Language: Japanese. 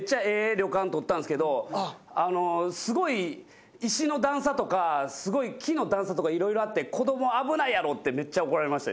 旅館とったんすけどすごい石の段差とかすごい木の段差とか色々あって「子供危ないやろ」ってめっちゃ怒られました。